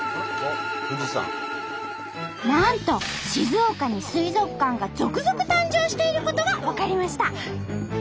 なんと静岡に水族館が続々誕生していることが分かりました。